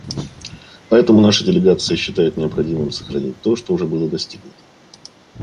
Поэтому наша делегация считает необходимым сохранить то, что уже было достигнуто.